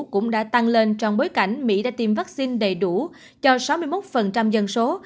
cũng đã tăng lên trong bối cảnh mỹ đã tiêm vaccine đầy đủ cho sáu mươi một dân số